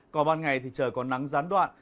còn ban ngày thì trời có nắng gián đoạn